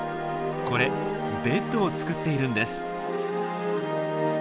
これベッドを作っているんです。